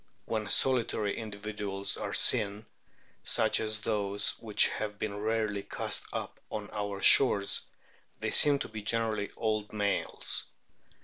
When solitary individuals are seen, such as those which have been rarely cast up on our shores, they seem to be generally old males.